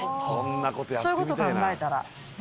そういうこと考えたら。